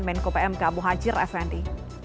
menko pmk muhajir effendi